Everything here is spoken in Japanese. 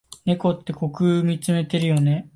猫って虚空みつめてるよね。